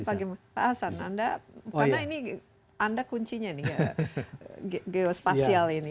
pak hasan anda karena ini anda kuncinya nih geospasial ini